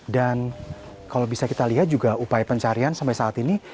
dan kalau bisa kita lihat juga upaya pencarian sampai saat ini